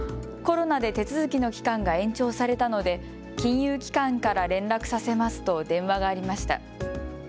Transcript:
コロナで手続きの期間が延長されたので金融機関から連絡させますと電話がありました。